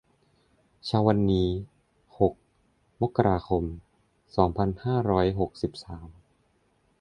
เช้าวันนี้ หก มกราคม สองพันห้าร้อยหกสิบสาม